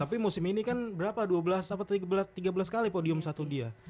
tapi musim ini kan berapa dua belas apa tiga belas kali podium satu dia